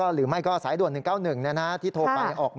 หรือไม่็ก็สายด่วน๑๙๑นั้นนะที่โทรภัยออกมา